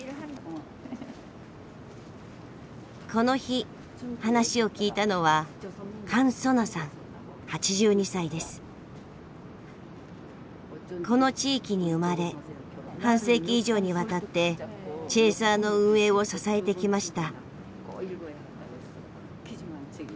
この日話を聞いたのはこの地域に生まれ半世紀以上にわたってチェーサーの運営を支えてきました。